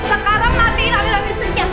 sekarang latiin lagi lagi listriknya